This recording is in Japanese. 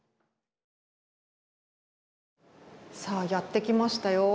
さあやって来ましたよ。